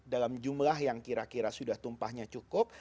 dalam jumlah yang kira kira sudah tumpahnya cukup